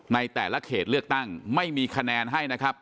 ในแต่ละเขตเลือกตั้งไม่มีคะแนนให้นะครับ